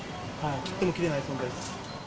切っても切れない存在です。